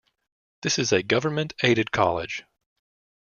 This is a government-aided college.